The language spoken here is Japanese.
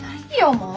もう！